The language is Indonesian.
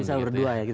bisa berdua ya